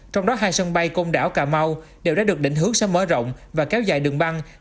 trong đó hai sân bay công đảo cà mau đều đã được đỉnh hước sớm mở rộng và kéo dài đường băng